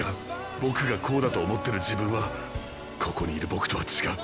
僕がこうだと思ってる自分はここにいる僕とは違う。